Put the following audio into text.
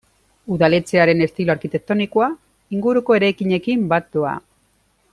Udaletxearen estilo arkitektonikoa inguruko eraikinekin bat doa.